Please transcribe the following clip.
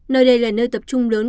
nơi đây là nơi tập trung lớn